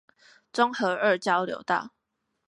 中和二交流道